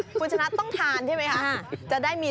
คุณชนะต้องทานใช่ไหมคะ